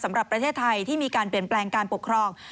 สำหรับประเทศไทยที่มีการเปลี่ยนแปลงการปกครอง